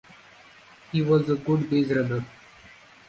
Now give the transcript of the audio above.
He was a good baserunner.